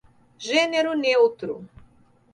Gênero neutro